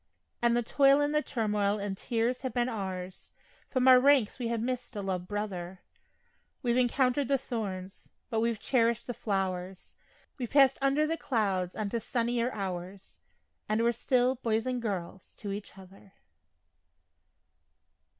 And the toil and the turmoil and tears have been ours From our ranks we have missed a loved brother We've encountered the thorns, but we've cherished the flowers; We've passed under the clouds on to sunnier hours, And we're still "boys" and "girls" to each other.